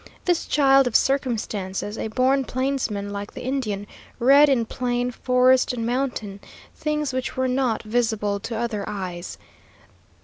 This child of circumstances, a born plainsman like the Indian, read in plain, forest, and mountain, things which were not visible to other eyes.